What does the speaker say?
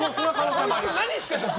そいつ何してるんだよ！